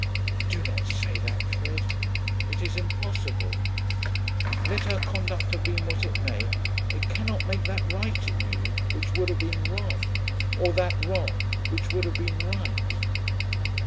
"Do not say that, Fred. It is impossible. Let her conduct have been what it may, it cannot make that right in you which would have been wrong, or that wrong which would have been right."